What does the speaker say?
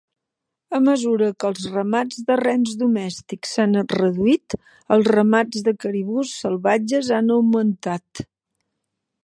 A mesura que els ramats de rens domèstics s'han reduït, els ramats de caribús salvatges han augmentat.